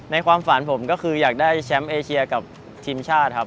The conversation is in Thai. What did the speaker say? ความฝันผมก็คืออยากได้แชมป์เอเชียกับทีมชาติครับ